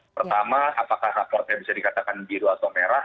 pertama apakah raportnya bisa dikatakan biru atau merah